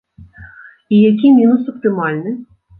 І які мінус аптымальны?